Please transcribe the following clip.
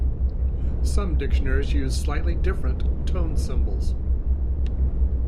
Some dictionaries use slightly different tone symbols.